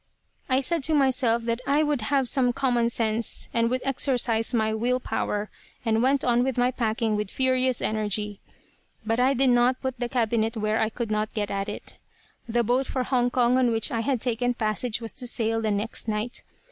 "I said to myself that I would have some common sense, and would exercise my will power; and went on with my packing with furious energy. But I did not put the cabinet where I could not get at it. "The boat for Hong Kong on which I had taken passage was to sail the next night.